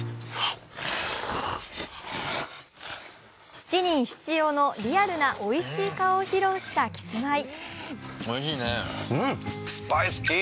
７人７様のリアルなおいしい顔を披露したキスマイ。